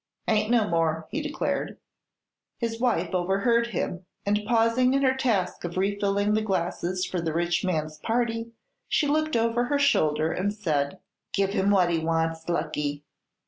"Ain't no more," he declared. His wife overheard him and pausing in her task of refilling the glasses for the rich man's party she looked over her shoulder and said: "Give him what he wants, Lucky."